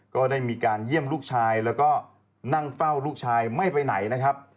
ก็ได้มีการเยี่ยมลูกชายแล้วก็นั่งเฝ้าลูกชายไม่ไปไหนนะครับ